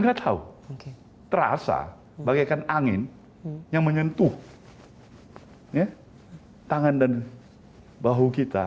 kita tahu terasa bagaikan angin yang menyentuh tangan dan bahu kita